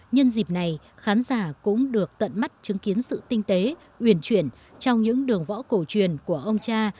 nhân dịp này khán giả cũng được tận mắt chứng kiến sự tinh tế uyển chuyển trong những đường võ cổ truyền của ông cha